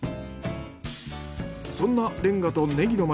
そんなレンガとネギの街